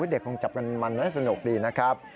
เด็กคงจับมันนะสนุกดีนะครับ